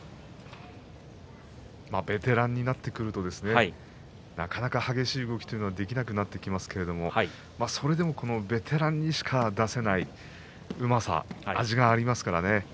ベテランになってくるとなかなか激しい動きというのはできなくなってきますがそれでもベテランにしか出せないうまさ味がありますからね。